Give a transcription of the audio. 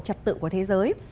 trật tự của thế giới